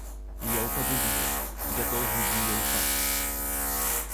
И я упаду в нее, я должен в нее упасть.